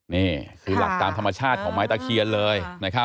นี่คือหลักตามธรรมชาติของไม้ตะเคียนเลย